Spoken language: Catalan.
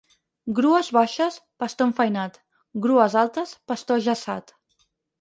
Grues baixes, pastor enfeinat; grues altes, pastor ajaçat.